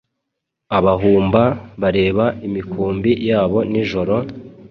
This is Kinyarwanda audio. Abahumba bareba imikumbi yabo nijoro,